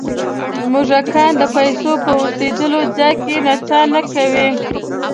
موږکان د پیسو په اوسېدلو ځای کې نڅا نه کوي.